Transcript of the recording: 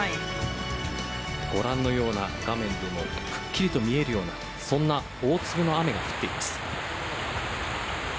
ご覧のような、画面でもくっきりと見えるようなそんな大粒の雨が降っています。